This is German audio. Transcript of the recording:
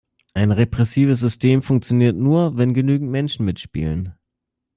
Ein repressives System funktioniert nur, wenn genügend Menschen mitspielen.